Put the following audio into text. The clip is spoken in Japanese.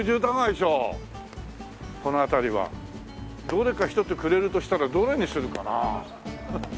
どれか１つくれるとしたらどれにするかな。